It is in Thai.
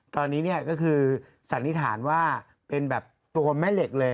ตอนนี้ศัลนิษฐานว่าเป็นแบบตัวความแม่เหล็กเลย